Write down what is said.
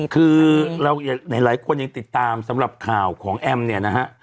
คือหลายคนยังติดตามสำหรับข่าวของแอมม์